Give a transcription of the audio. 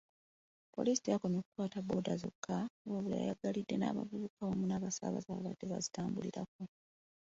Poliisi teyakomye kukwata boda boda zokka, wabula yaggalidde n'abavuzi wamu n'abasaabaze abaabadde bazitambuliriko.